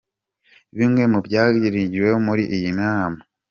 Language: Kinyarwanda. Bimwe mu byaganiriweho muri iyi nama:.